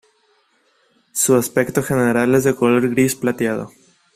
Su aspecto general es de color gris plateado.